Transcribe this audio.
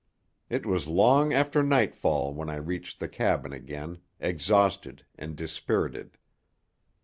It was long after nightfall when I reached the cabin again, exhausted and dispirited.